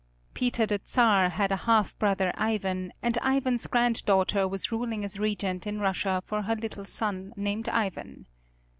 Peter the Czar had a half brother Ivan, and Ivan's granddaughter was ruling as regent in Russia for her little son named Ivan.